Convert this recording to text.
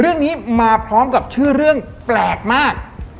เรื่องนี้มาพร้อมกับชื่อเรื่องแปลกมาก